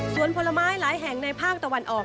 ส่วนผลไม้หลายแห่งในภาคตะวันออก